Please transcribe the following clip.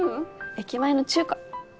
駅前の中華。